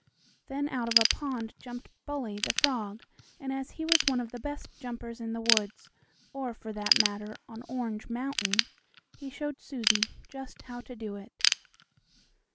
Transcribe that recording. Then out of a pond jumped Bully, the frog, and, as he was one of the best jumpers in the woods, or, for that matter, on Orange Mountain, he showed Susie just how to do it.